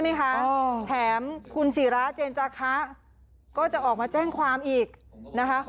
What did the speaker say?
ใช่ไหมคะแถมคุณศิราเจนจักรคะก็จะออกมาแจ้งความอีกนะฮะ